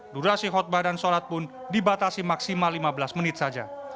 durasi khutbah dan sholat pun dibatasi maksimal lima belas menit saja